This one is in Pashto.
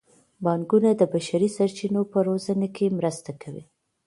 بانکونه د بشري سرچینو په روزنه کې مرسته کوي.